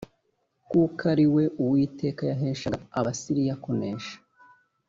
kuko ari we uwiteka yaheshaga abasiriya kunesha